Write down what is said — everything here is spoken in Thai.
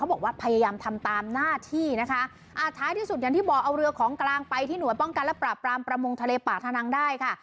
บอกว่าพยายามทำตามหน้าที่นะคะอ่าท้ายที่สุดอย่างที่บอกเอาเรือของกลางไปที่หน่วยป้องกันและปราบปรามประมงทะเลป่าธนังได้ค่ะ